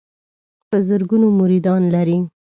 په زرګونو مریدان لري.